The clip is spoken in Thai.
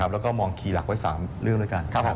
และมองขีหลักไว้๓เรื่องด้วยกัน